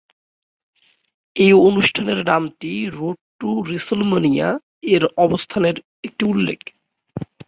এই অনুষ্ঠানের নামটি "রোড টু রেসলম্যানিয়া"-এর অবস্থানের একটি উল্লেখ।